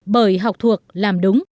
bởi học thuộc làm đúng